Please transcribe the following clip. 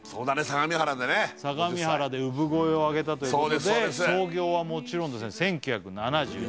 相模原でね５０歳相模原で産声を上げたということで創業はもちろんですね１９７２年２年！